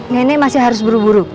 nenek masih harus buru buru